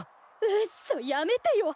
うっそやめてよ。